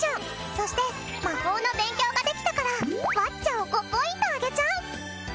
そして魔法の勉強ができたからワッチャ！を５ポイントあげちゃう。